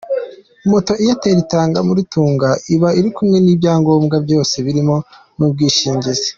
Moto Airtel itanga muri Tunga iba iri kumwe n'ibyangombwa byose birimo n'ubwishingizi.